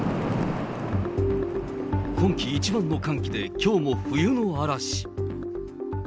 今季一番の寒気できょうも冬の嵐。